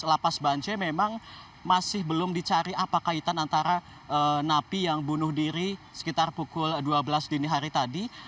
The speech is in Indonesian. lapas bancai memang masih belum dicari apa kaitan antara napi yang bunuh diri sekitar pukul dua belas dini hari tadi